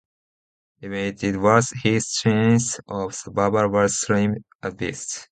Even if it was, his chance of survival was slim at best.